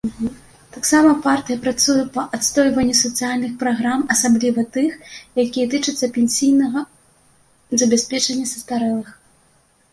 Таксама партыя працуе па адстойванню сацыяльных праграм, асабліва тых, якія тычацца пенсійнага забеспячэння састарэлых.